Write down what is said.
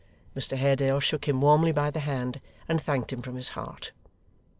Mr Haredale shook him warmly by the hand, and thanked him from his heart.